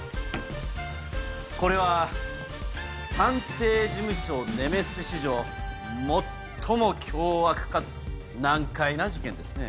これは探偵事務所ネメシス史上最も凶悪かつ難解な事件ですね。